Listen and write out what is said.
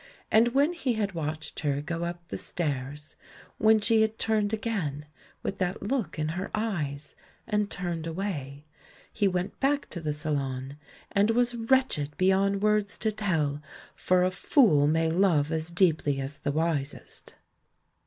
And when he had watched her go up the stairs — when she had turned again, with that look in her eyes, and turned away — ^he went back to the salon and was wretched beyond words to tell, for a fool may love as deeply as the wisest.